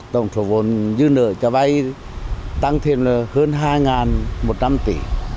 tổng số vốn dư nợ cho vay tăng thêm hơn hai một trăm linh tỷ